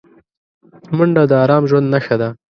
منډه د ارام ژوند نښه ده